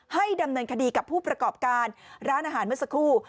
ดำเนินคดีกับผู้ประกอบการร้านอาหารเมื่อสักครู่